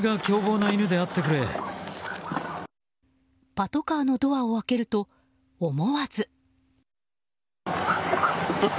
パトカーのドアを開けると思わず。